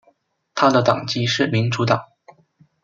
他的党籍是民主党。